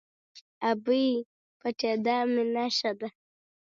– ابۍ! پټېدا مې ښه نه ده.